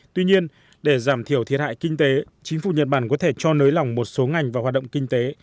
tuy nhiên để giảm thiểu thiệt hại kinh tế chính phủ nhật bản có thể cho nới lỏng một số ngành và hoạt động kinh tế